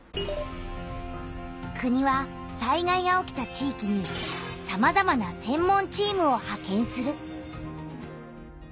国は災害が起きた地域にさまざまな「専門チーム」をはけんする。